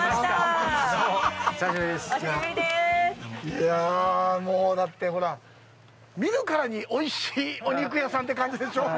いや、もうだってほら、見るからにおいしいお肉屋さんって感じでしょう？